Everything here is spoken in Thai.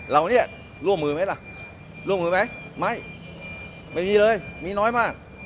เราเนี่ยร่วมมือไหมล่ะร่วมมือไหมไม่ไม่มีเลยมีน้อยมาก